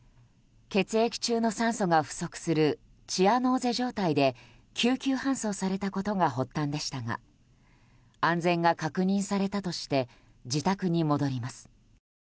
血液中の酸素が不足するチアノーゼ状態で救急搬送されたことが発端でしたが安全が確認されたとして自宅に戻ります。